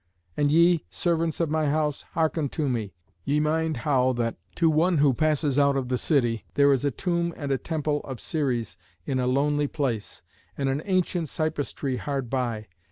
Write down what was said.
And ye, servants of my house, hearken to me; ye mind how that to one who passes out of the city there is a tomb and a temple of Ceres in a lonely place, and an ancient cypress tree hard by.